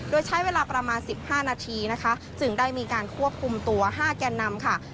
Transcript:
โดยใช้เวลาประมาณ๑๕นาทีนะคะจึงได้มีการควบคุมตัว๕แกนนำค่ะ